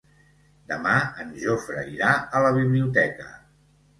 Demà en Jofre irà a la biblioteca.